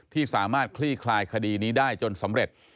ที่สามารถคลี่คลายคดีนี้ได้จนสำเร็จ